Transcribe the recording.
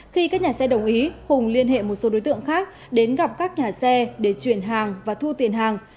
khi các nhà xe đồng ý hùng liên hệ một số đối tượng khác đến gặp các nhà xe để chuyển hàng và thu tiền hàng